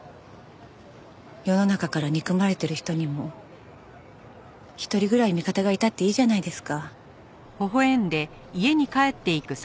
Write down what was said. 世の中から憎まれてる人にも一人ぐらい味方がいたっていいじゃないですか。